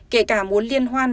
kể cả muốn liên hoan